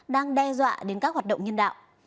đang đe dọa đến các hoạt động nhân đạo